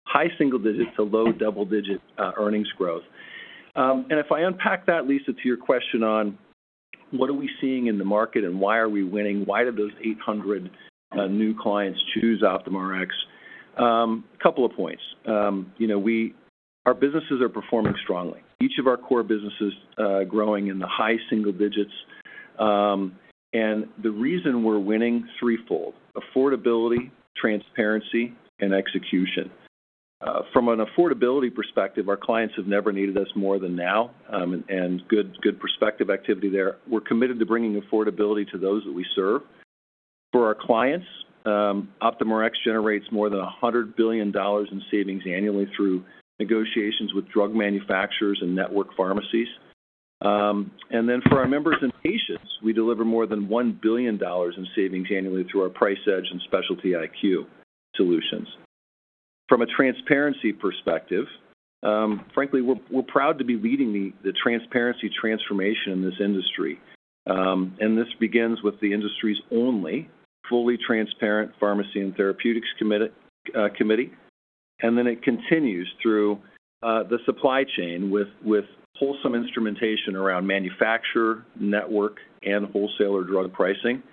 me—high single-digit to low double-digit earnings growth. And if I unpack that, Lisa, to your question on what are we seeing in the market and why are we winning, why did those 800 new clients choose Optum Rx? A couple of points. Our businesses are performing strongly. Each of our core businesses are growing in the high single digits. The reason we're winning threefold: affordability, transparency, and execution. From an affordability perspective, our clients have never needed us more than now, and good prospective activity there. We're committed to bringing affordability to those that we serve. For our clients, Optum Rx generates more than $100 billion in savings annually through negotiations with drug manufacturers and network pharmacies. And then for our members and patients, we deliver more than $1 billion in savings annually through our PriceEdge and Specialty IQ solutions. From a transparency perspective, frankly, we're proud to be leading the transparency transformation in this industry. And this begins with the industry's only fully transparent pharmacy and therapeutics committee. And then it continues through the supply chain with wholesome instrumentation around manufacturer, network, and wholesaler drug pricing.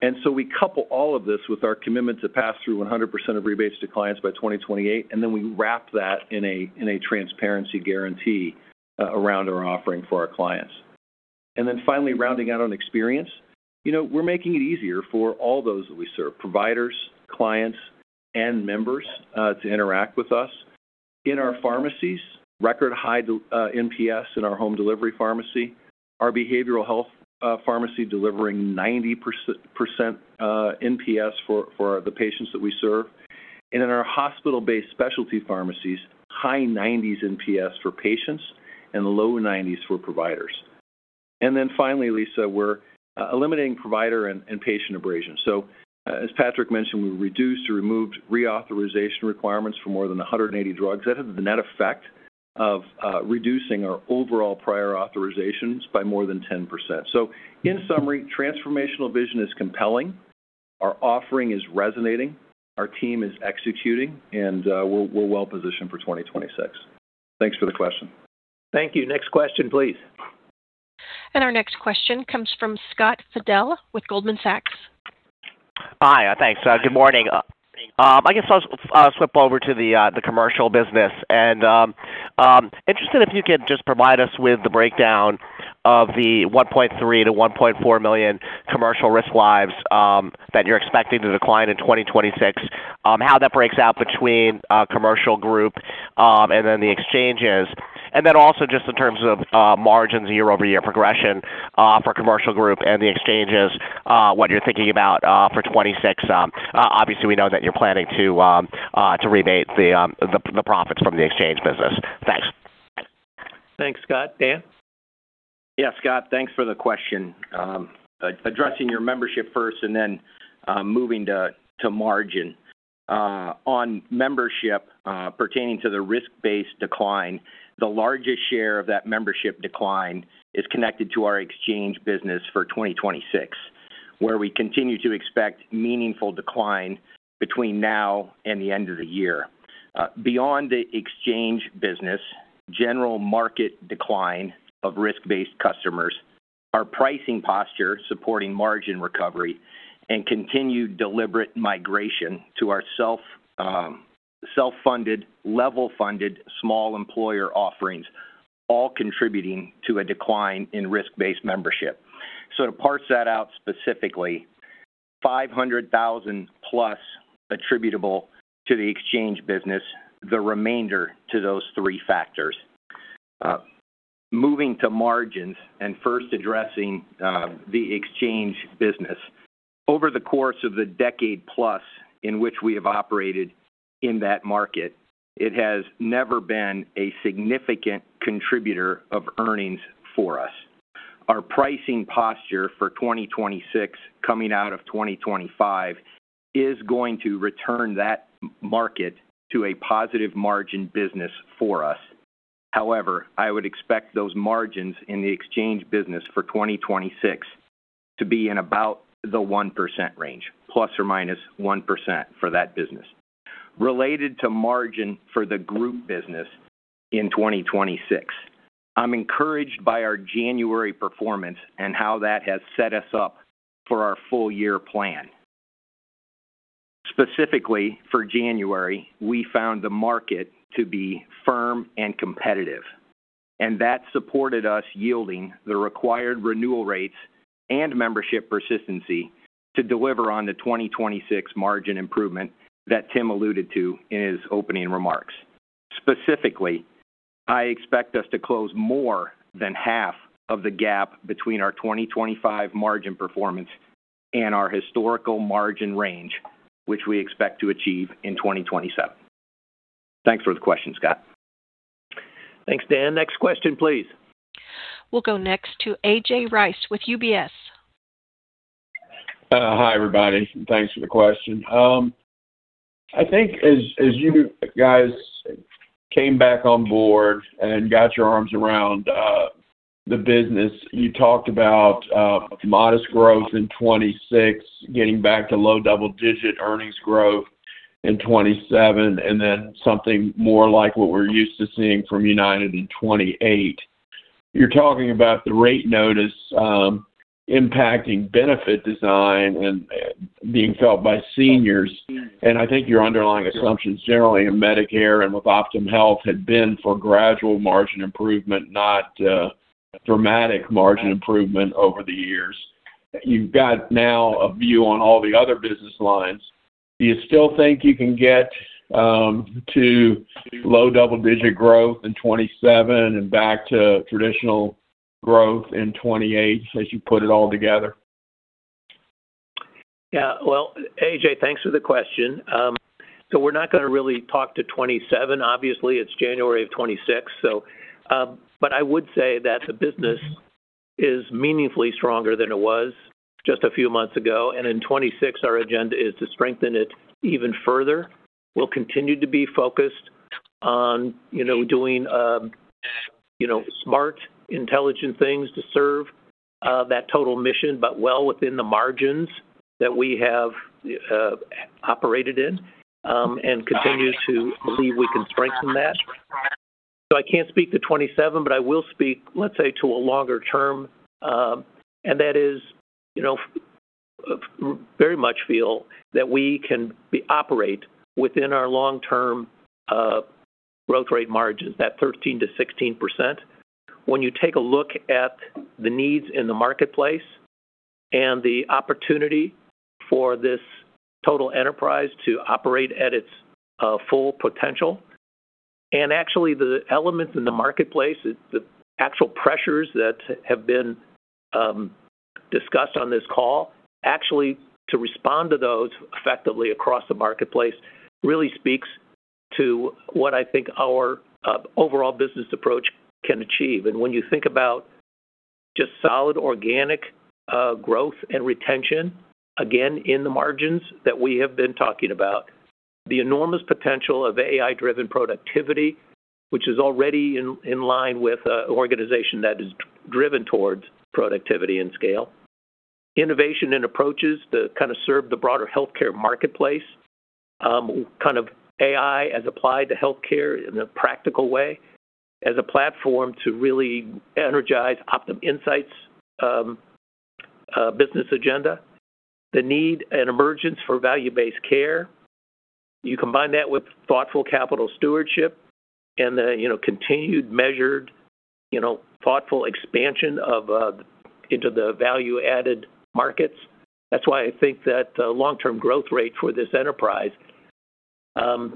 And so we couple all of this with our commitment to pass through 100% of rebates to clients by 2028, and then we wrap that in a transparency guarantee around our offering for our clients. And then finally, rounding out on experience, we're making it easier for all those that we serve, providers, clients, and members, to interact with us. In our pharmacies, record-high NPS in our home delivery pharmacy, our behavioral health pharmacy delivering 90% NPS for the patients that we serve. And in our hospital-based specialty pharmacies, high 90s NPS for patients and low 90s for providers. And then finally, Lisa, we're eliminating provider and patient abrasion. So as Patrick mentioned, we reduced or removed reauthorization requirements for more than 180 drugs that have the net effect of reducing our overall prior authorizations by more than 10%. So in summary, transformational vision is compelling. Our offering is resonating. Our team is executing, and we're well-positioned for 2026. Thanks for the question. Thank you. Next question, please. Our next question comes from Scott Fidel with Goldman Sachs. Hi. Thanks. Good morning. I guess I'll slip over to the commercial business. And interested if you could just provide us with the breakdown of the 1.3-1.4 million commercial risk lives that you're expecting to decline in 2026, how that breaks out between commercial group and then the exchanges. And then also just in terms of margins and year-over-year progression for commercial group and the exchanges, what you're thinking about for 2026. Obviously, we know that you're planning to rebate the profits from the exchange business. Thanks. Thanks, Scott. Dan? Yeah, Scott. Thanks for the question. Addressing your membership first and then moving to margin. On membership pertaining to the risk-based decline, the largest share of that membership decline is connected to our exchange business for 2026, where we continue to expect meaningful decline between now and the end of the year. Beyond the exchange business, general market decline of risk-based customers, our pricing posture supporting margin recovery, and continued deliberate migration to our self-funded, level-funded small employer offerings all contributing to a decline in risk-based membership. So to parse that out specifically, 500,000+ attributable to the exchange business, the remainder to those three factors. Moving to margins and first addressing the exchange business, over the course of the decade-plus in which we have operated in that market, it has never been a significant contributor of earnings for us. Our pricing posture for 2026, coming out of 2025, is going to return that market to a positive margin business for us. However, I would expect those margins in the exchange business for 2026 to be in about the 1% range, ±1% for that business. Related to margin for the group business in 2026, I'm encouraged by our January performance and how that has set us up for our full-year plan. Specifically, for January, we found the market to be firm and competitive. That supported us yielding the required renewal rates and membership persistency to deliver on the 2026 margin improvement that Tim alluded to in his opening remarks. Specifically, I expect us to close more than half of the gap between our 2025 margin performance and our historical margin range, which we expect to achieve in 2027. Thanks for the question, Scott. Thanks, Dan. Next question, please. We'll go next to A.J. Rice with UBS. Hi, everybody. Thanks for the question. I think as you guys came back on board and got your arms around the business, you talked about modest growth in 2026, getting back to low double-digit earnings growth in 2027, and then something more like what we're used to seeing from United in 2028. You're talking about the rate notice impacting benefit design and being felt by seniors. And I think your underlying assumptions generally in Medicare and with Optum Health had been for gradual margin improvement, not dramatic margin improvement over the years. You've got now a view on all the other business lines. Do you still think you can get to low double-digit growth in 2027 and back to traditional growth in 2028 as you put it all together? Yeah. Well, AJ, thanks for the question. So we're not going to really talk to 2027. Obviously, it's January of 2026. But I would say that the business is meaningfully stronger than it was just a few months ago. And in 2026, our agenda is to strengthen it even further. We'll continue to be focused on doing smart, intelligent things to serve that total mission, but well within the margins that we have operated in and continue to believe we can strengthen that. So I can't speak to 2027, but I will speak, let's say, to a longer term. And that is very much feel that we can operate within our long-term growth rate margins, that 13%-16%. When you take a look at the needs in the marketplace and the opportunity for this total enterprise to operate at its full potential, and actually the elements in the marketplace, the actual pressures that have been discussed on this call, actually to respond to those effectively across the marketplace really speaks to what I think our overall business approach can achieve. And when you think about just solid organic growth and retention, again, in the margins that we have been talking about, the enormous potential of AI-driven productivity, which is already in line with an organization that is driven towards productivity and scale, innovation and approaches to kind of serve the broader healthcare marketplace, kind of AI as applied to healthcare in a practical way, as a platform to really energize Optum Insight's business agenda, the need and emergence for value-based care. You combine that with thoughtful capital stewardship and the continued measured, thoughtful expansion into the value-added markets. That's why I think that long-term growth rate for this enterprise and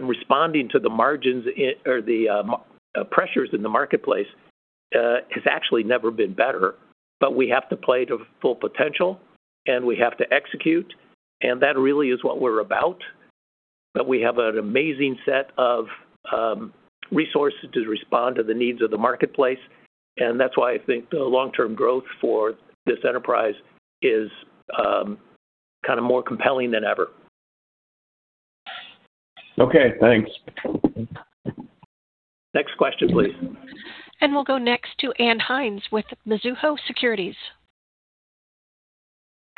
responding to the margins or the pressures in the marketplace has actually never been better. But we have to play to full potential, and we have to execute. And that really is what we're about. But we have an amazing set of resources to respond to the needs of the marketplace. And that's why I think the long-term growth for this enterprise is kind of more compelling than ever. Okay. Thanks. Next question, please. We'll go next to Ann Hynes with Mizuho Securities.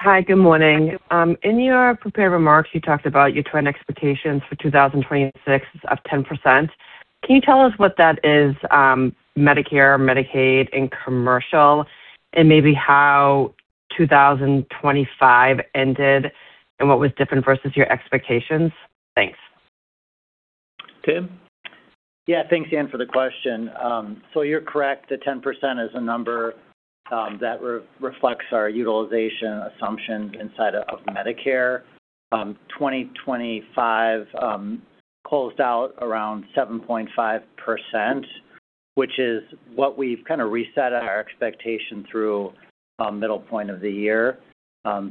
Hi. Good morning. In your prepared remarks, you talked about your trend expectations for 2026 of 10%. Can you tell us what that is, Medicare, Medicaid, and commercial, and maybe how 2025 ended and what was different versus your expectations? Thanks. Tim? Yeah. Thanks, Anne, for the question. So you're correct. The 10% is a number that reflects our utilization assumptions inside of Medicare. 2025 closed out around 7.5%, which is what we've kind of reset our expectation through middle point of the year.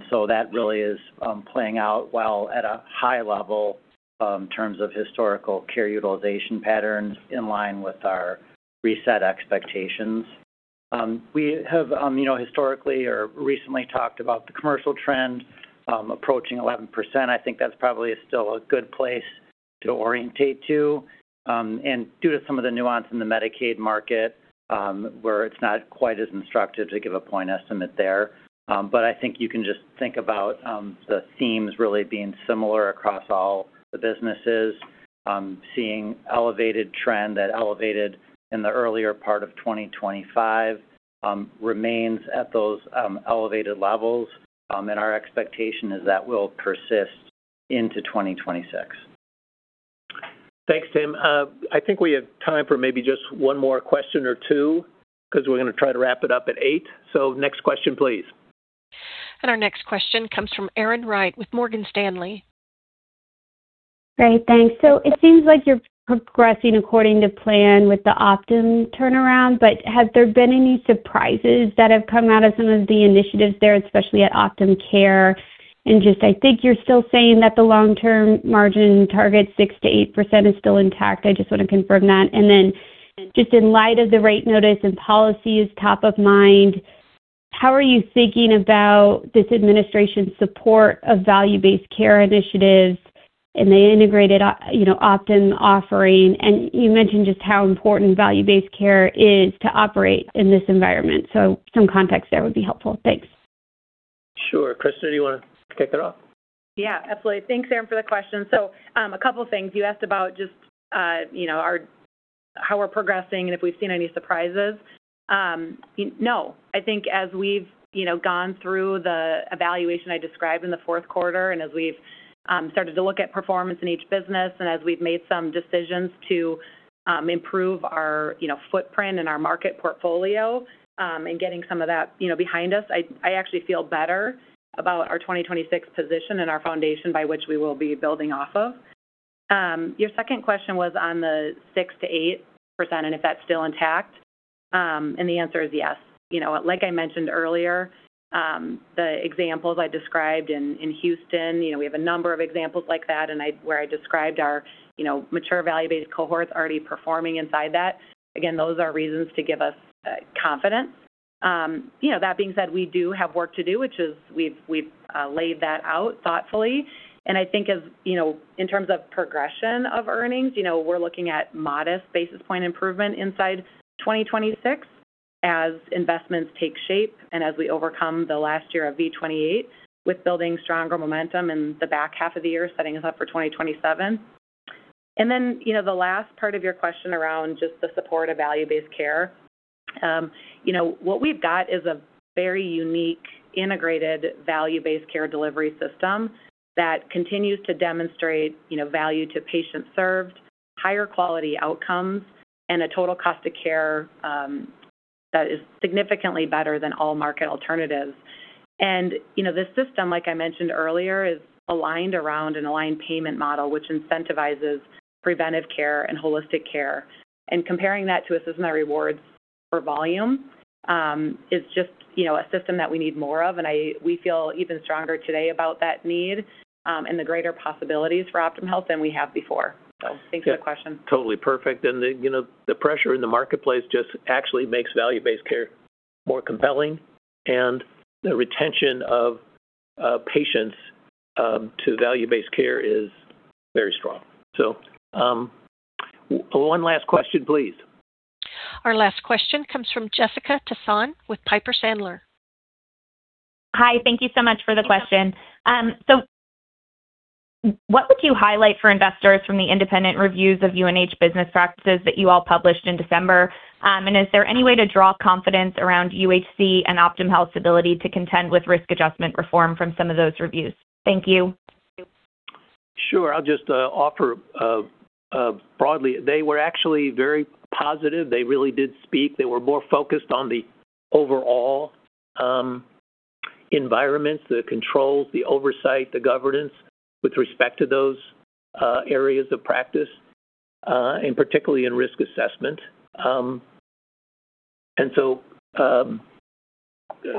So that really is playing out well at a high level in terms of historical care utilization patterns in line with our reset expectations. We have historically or recently talked about the commercial trend approaching 11%. I think that's probably still a good place to orientate to. And due to some of the nuance in the Medicaid market, where it's not quite as instructive to give a point estimate there. But I think you can just think about the themes really being similar across all the businesses. Seeing elevated trend that elevated in the earlier part of 2025 remains at those elevated levels. Our expectation is that will persist into 2026. Thanks, Tim. I think we have time for maybe just one more question or two because we're going to try to wrap it up at 8:00 A.M. Next question, please. Our next question comes from Erin Wright with Morgan Stanley. Great. Thanks. So it seems like you're progressing according to plan with the Optum turnaround. But have there been any surprises that have come out of some of the initiatives there, especially at Optum Care? And just I think you're still saying that the long-term margin target, 6%-8%, is still intact. I just want to confirm that. And then just in light of the rate notice and policy is top of mind, how are you thinking about this administration's support of value-based care initiatives and the integrated Optum offering? And you mentioned just how important value-based care is to operate in this environment. So some context there would be helpful. Thanks. Sure. Kristen, do you want to kick it off? Yeah. Absolutely. Thanks, Erin, for the question. So a couple of things. You asked about just how we're progressing and if we've seen any surprises. No. I think as we've gone through the evaluation I described in the fourth quarter and as we've started to look at performance in each business and as we've made some decisions to improve our footprint and our market portfolio and getting some of that behind us, I actually feel better about our 2026 position and our foundation by which we will be building off of. Your second question was on the 6%-8% and if that's still intact. And the answer is yes. Like I mentioned earlier, the examples I described in Houston, we have a number of examples like that where I described our mature value-based cohorts already performing inside that. Again, those are reasons to give us confidence. That being said, we do have work to do, which is we've laid that out thoughtfully. And I think in terms of progression of earnings, we're looking at modest basis point improvement inside 2026 as investments take shape and as we overcome the last year of V28 with building stronger momentum in the back half of the year setting us up for 2027. And then the last part of your question around just the support of value-based care, what we've got is a very unique integrated value-based care delivery system that continues to demonstrate value to patients served, higher quality outcomes, and a total cost of care that is significantly better than all market alternatives. And this system, like I mentioned earlier, is aligned around an aligned payment model, which incentivizes preventive care and holistic care. Comparing that to a system that rewards for volume is just a system that we need more of. We feel even stronger today about that need and the greater possibilities for Optum Health than we have before. Thanks for the question. Totally perfect. And the pressure in the marketplace just actually makes value-based care more compelling. And the retention of patients to value-based care is very strong. So one last question, please. Our last question comes from Jessica Tasan with Piper Sandler. Hi. Thank you so much for the question. What would you highlight for investors from the independent reviews of UNH business practices that you all published in December? Is there any way to draw confidence around UHC and Optum Health's ability to contend with risk adjustment reform from some of those reviews? Thank you. Sure. I'll just offer broadly. They were actually very positive. They really did speak. They were more focused on the overall environments, the controls, the oversight, the governance with respect to those areas of practice, and particularly in risk assessment. So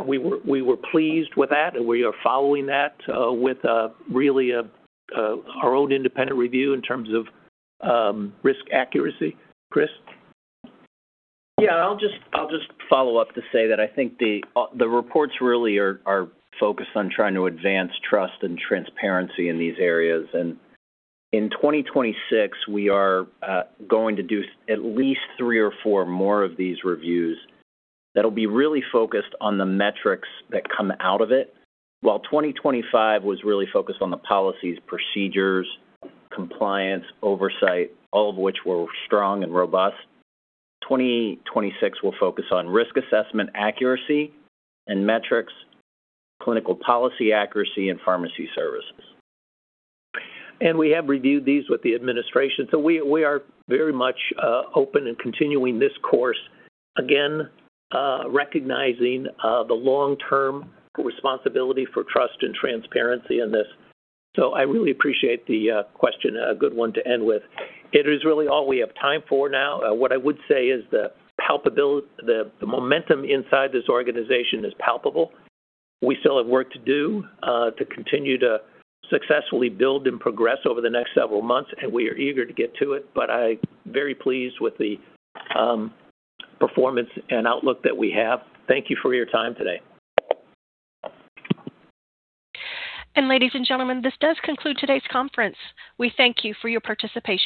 we were pleased with that. We are following that with really our own independent review in terms of risk accuracy. Chris? Yeah. I'll just follow up to say that I think the reports really are focused on trying to advance trust and transparency in these areas. And in 2026, we are going to do at least three or four more of these reviews that will be really focused on the metrics that come out of it. While 2025 was really focused on the policies, procedures, compliance, oversight, all of which were strong and robust, 2026 will focus on risk assessment accuracy and metrics, clinical policy accuracy, and pharmacy services. We have reviewed these with the administration. We are very much open and continuing this course, again, recognizing the long-term responsibility for trust and transparency in this. I really appreciate the question, a good one to end with. It is really all we have time for now. What I would say is the momentum inside this organization is palpable. We still have work to do to continue to successfully build and progress over the next several months. We are eager to get to it. But I'm very pleased with the performance and outlook that we have. Thank you for your time today. Ladies and gentlemen, this does conclude today's conference. We thank you for your participation.